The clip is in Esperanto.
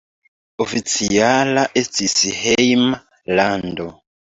Oficiala estis hejma lando.